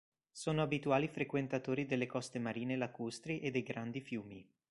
Sono abituali frequentatori delle coste marine e lacustri e dei grandi fiumi.